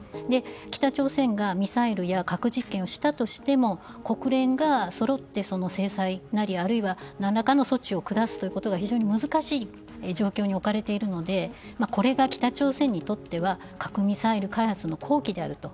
北朝鮮がミサイルや核実験をしたとしても国連がそろって制裁なり何らかの措置を下すということが非常に難しい状況に置かれているのでこれが北朝鮮にとっては核ミサイル開発の好機であると。